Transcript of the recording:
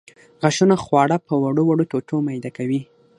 غاښونه خواړه په وړو وړو ټوټو میده کوي.